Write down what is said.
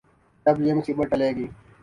جب یہ مصیبت ٹلے گی۔